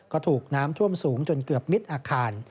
ก็ถูกน้ำท่วมสูงจนเกือบมิดอาคาร